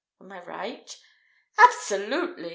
Am I right?" "Absolutely!